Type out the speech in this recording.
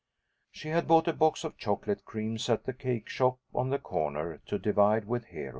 She had bought a box of chocolate creams at the cake shop on the corner to divide with Hero.